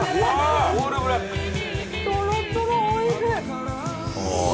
とろとろおいしい。